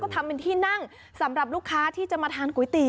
ทำเป็นที่นั่งช่วยสำหรับลูกค้าของก๋วยเต๋ยว